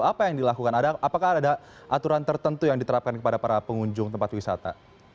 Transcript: apa yang dilakukan apakah ada aturan tertentu yang diterapkan kepada para pengunjung tempat wisata